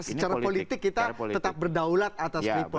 secara politik kita tetap berdaulat atas freeport ya mas bapak